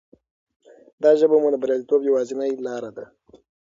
دا ژبه مو د بریالیتوب یوازینۍ لاره ده.